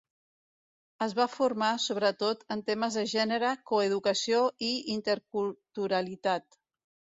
Es va formar, sobretot, en temes de gènere, coeducació i interculturalitat.